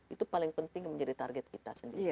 itu paling penting menjadi target kita sendiri